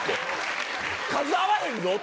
数合わへんぞって。